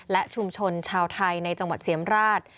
และชุมชนชาวไทยในจังหวัดเสียมราช